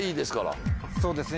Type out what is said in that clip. そうですね